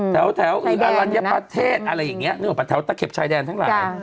แถวแถวอิบารัญญาประเทศอะไรอย่างนี้แถวตะเข็บชายแดนทั้งหลาย